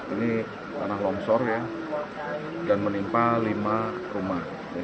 ini tanah longsor ya dan menimpa lima rumah